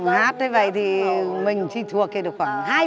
hát thế này thì mình thì thuộc được khoảng hai phần thôi